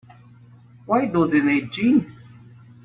Why do they need gin?